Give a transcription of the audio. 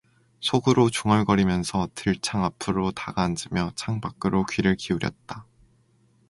속으로 중얼거리면서 들창 앞으로 다가앉으며 창 밖으로 귀를 기울였다.